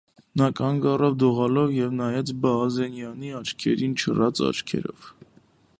Նա կանգ առավ դողալով և նայեց Բազենյանի աչքերին չռած աչքերով: